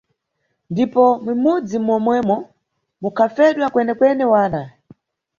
Ndipo m`mudzi momwemo mukhafedwa kwene-kwene wana.